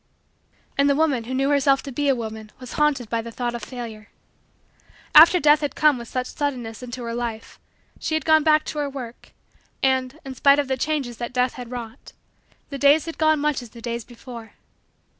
And the woman who knew herself to be a woman was haunted by the thought of Failure. After Death had come with such suddenness into her life, she had gone back to her work, and, in spite of the changes that Death had wrought, the days had gone much as the days before.